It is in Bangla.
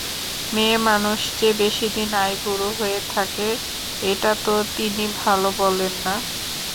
মেয়েমানুষ যে বেশিদিন আইবুড়ো হয়ে থাকে এটা তো তিনি ভালো বলেন না।